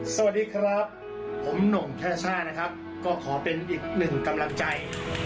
สวัสดีครับผมหน่งช่านะครับก็ขอเป็นอีกหนึ่งกำลังใจ